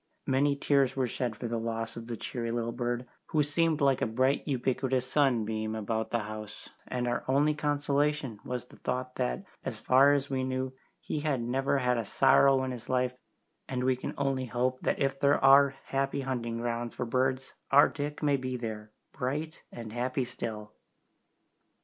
Many tears were shed for the loss of the cheery little bird, who seemed like a bright ubiquitous sunbeam about the house, and our only consolation was the thought that, as far as we knew, he had never had a sorrow in his life, and we can only hope that if there are "happy hunting grounds" for birds our Dick may be there, bright and happy still.